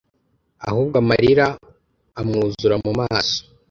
ahubwo amarira amwuzura mumaso,